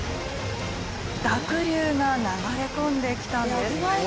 「濁流が流れ込んできたんです」